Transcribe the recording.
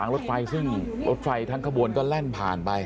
รถไฟทั้งขบวนก็เล่นผ่านไป